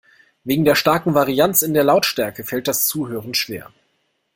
Wegen der starken Varianz in der Lautstärke fällt das Zuhören schwer.